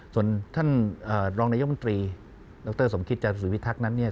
ส่วนท่านรองนายกรรมตรีดรสมคิตจาสุวิทักษ์นั้นเนี่ย